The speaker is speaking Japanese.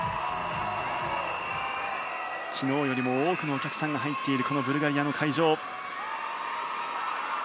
昨日よりも多くのお客さんが入っているこのブルガリアの会場。